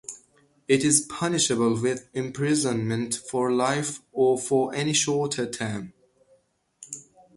It is punishable with imprisonment for life or for any shorter term.